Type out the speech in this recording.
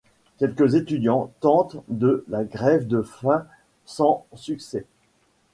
Quelques étudiants tentent de la grève de faim sans succès.